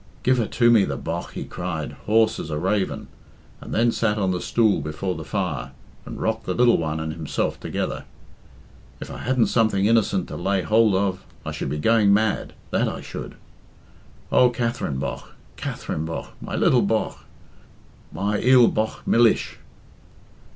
"Give her to me, the bogh," he cried, hoarse as a raven, and then sat on the stool before the fire, and rocked the little one and himself together. "If I hadn't something innocent to lay hould of I should be going mad, that I should. Oh, Katherine bogh! Katherine bogh! My little bogh! My I'll bogh millish!"